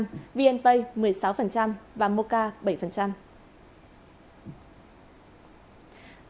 đặc biệt đặc biệt đặc biệt đặc biệt đặc biệt đặc biệt đặc biệt